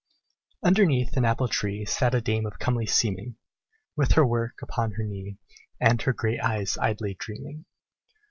Underneath an apple tree Sat a dame of comely seeming, With her work upon her knee, And her great eyes idly dreaming.